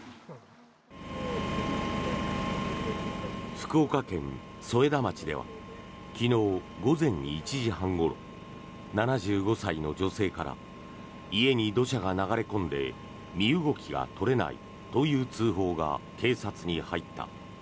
福岡県添田町では昨日午前１時半ごろ７５歳の女性から家に土砂が流れ込んで身動きが取れないという通報が警察に入った。